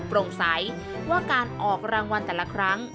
โปร่งใสว่าการออกรางวัลแต่ละครั้ง